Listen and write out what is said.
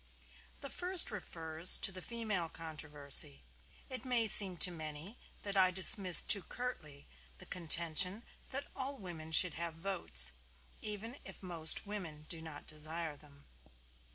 The first refers to the female controversy. It may seem to many that I dismiss too curtly the contention that all women should have votes, even if most women do not desire them.